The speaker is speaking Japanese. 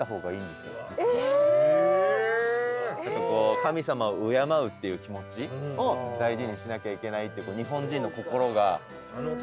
神様を敬うっていう気持ちを大事にしなきゃいけないって日本人の心が。